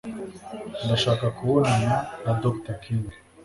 Ndashaka kubonana na Dr. King.